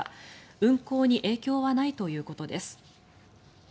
運航に影響はないということです。